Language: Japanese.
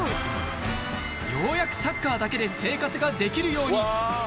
ようやくサッカーだけで生活ができるように。